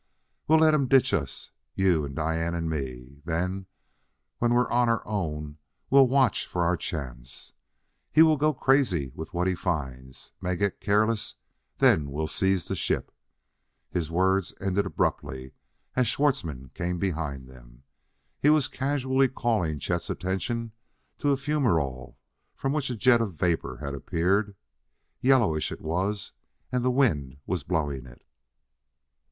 We'll let him ditch us you and Diane and me. Then, when we're on our own, we'll watch our chance. He will go crazy with what he finds may get careless then we'll seize the ship " His words ended abruptly. As Schwartzmann came behind them, he was casually calling Chet's attention to a fumerole from which a jet of vapor had appeared. Yellowish, it was; and the wind was blowing it.